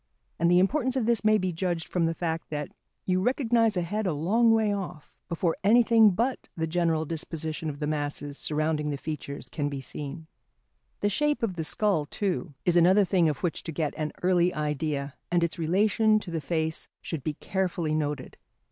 And the importance of this may be judged from the fact that you recognise a head a long way off, before anything but the general disposition of the masses surrounding the features can be seen. The shape of the skull, too, is another thing of which to get an early idea, and its relation to the face should be carefully noted.